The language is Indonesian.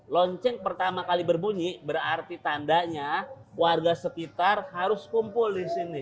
lonceng pertama kali berbunyi berarti tandanya warga sekitar harus kumpul di sini